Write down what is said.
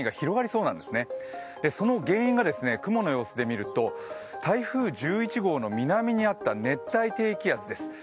その原因が、雲の様子で見ると台風１１号の南にあった熱帯低気圧です。